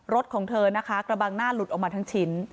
ของเธอนะคะกระบังหน้าหลุดออกมาทั้งชิ้น